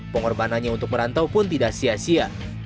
pengorbanannya untuk merantau pun tidak sia sia